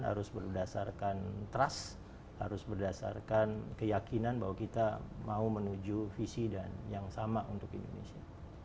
harus berdasarkan trust harus berdasarkan keyakinan bahwa kita mau menuju visi yang sama untuk indonesia